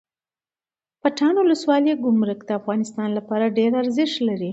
پټان ولسوالۍ ګمرک د افغانستان لپاره ډیره ارزښت لري